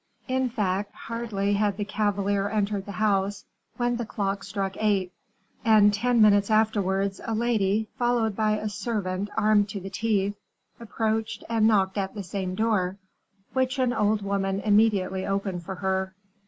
In fact, hardly had the cavalier entered the house, when the clock struck eight; and ten minutes afterwards a lady, followed by a servant armed to the teeth, approached and knocked at the same door, which an old woman immediately opened for her.